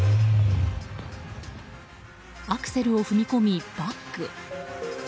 アクセルを踏み込み、バック。